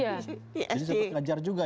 jadi sempat ngajar juga ya